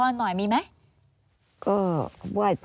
อันดับ๖๓๕จัดใช้วิจิตร